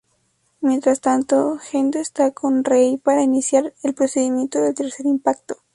Mientras tanto, Gendo está con Rei para iniciar el procedimiento del Tercer Impacto.